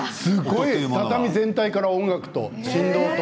畳全体から音楽と振動と。